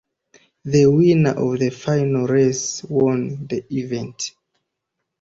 The winner of that final race won the event.